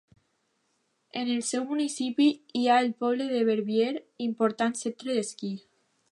En el seu municipi hi ha el poble de Verbier, important centre d'esquí.